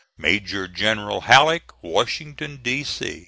MAJOR GENERAL HALLECK, Washington, D. C.